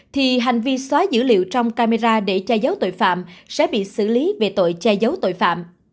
thì hành vi xóa dữ liệu trong camera để che giấu tội phạm sẽ bị xử lý về tội che giấu tội phạm